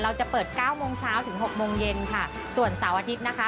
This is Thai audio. เราจะเปิดเก้าโมงเช้าถึงหกโมงเย็นค่ะส่วนเสาร์อาทิตย์นะคะ